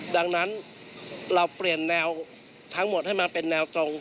ดังนั้นเราเปลี่ยนแนวทั้งหมดให้มาเป็นแนวตรง